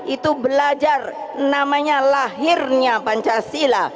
itu belajar namanya lahirnya pancasila